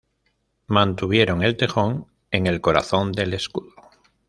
Mantuvieron el tejón en el corazón del escudo.